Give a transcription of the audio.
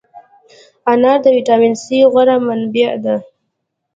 انار د ویټامین C غوره منبع ده.